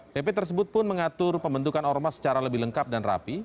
pp tersebut pun mengatur pembentukan ormas secara lebih lengkap dan rapi